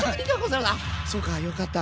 あっそうかよかった。